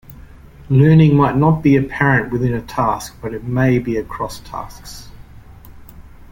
Learning might not be apparent within a task but it may be across tasks.